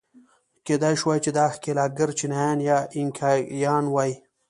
کېدای شوای چې دا ښکېلاکګر چینایان یا اینکایان وای.